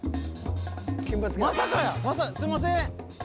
まさかやすいません。